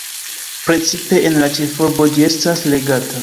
Precipe en la ĉefurbo ĝi estas legata.